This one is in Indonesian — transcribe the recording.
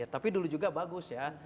tapi dulu juga bagus ya